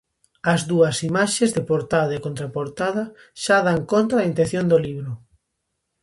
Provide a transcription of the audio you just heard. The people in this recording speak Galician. As dúas imaxes, de portada e contraportada, xa dan conta da intención do libro.